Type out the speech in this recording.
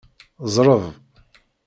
Zreb!